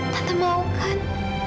tante mau kan